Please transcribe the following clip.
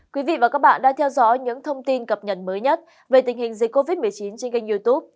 các bạn đã theo dõi những thông tin cập nhật mới nhất về tình hình dịch covid một mươi chín trên kênh youtube